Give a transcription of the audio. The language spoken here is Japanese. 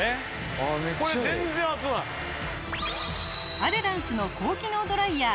アデランスの高機能ドライヤー